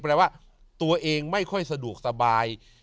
แปลว่าตัวเองไม่ค่อยสะดวกสบาย